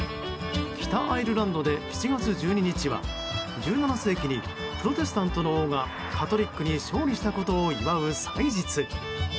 北アイルランドで７月１２日は１７世紀にプロテスタントの王がカトリックに勝利したことを祝う祭日。